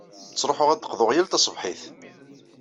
Ttruḥeɣ ad d-qḍuɣ yal taṣebḥit.